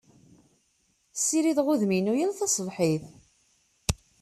Ssirideɣ udem-inu yal taṣebḥit.